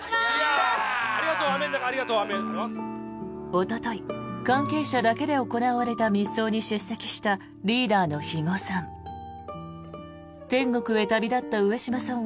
おととい関係者だけで行われた密葬に出席したリーダーの肥後さん。